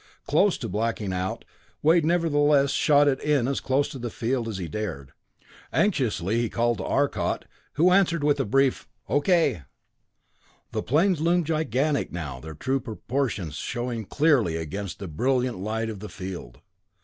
Close to blacking out, Wade nevertheless shot it in as close to the field as he dared. Anxiously he called to Arcot, who answered with a brief "Okay!" The planes loomed gigantic now, their true proportions showing clearly against the brilliant light of the field.